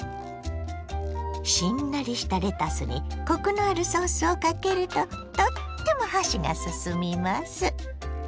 しんなりしたレタスにコクのあるソースをかけるととっても箸がすすみます。